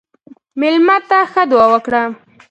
مېلمه ته ښه دعا وکړه.